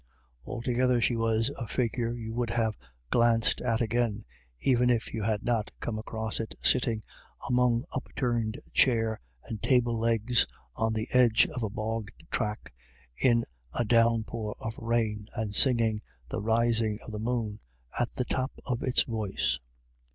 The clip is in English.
Altogether she was a figure you would have glanced at again, even if you had not come across it sitting among upturned chair and table legs on the edge of a bog track, in a down pour of rain, and singing " The Rising of the Moon " at the top of its voice.